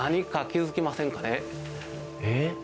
えっ？